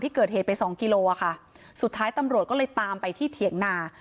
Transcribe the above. ที่เกิดเหตุไปสองกิโลอ่ะค่ะสุดท้ายตำรวจก็เลยตามไปที่เถียงนา